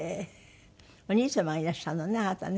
お兄様がいらっしゃるのねあなたね。